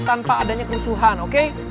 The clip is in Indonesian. tanpa adanya kerusuhan oke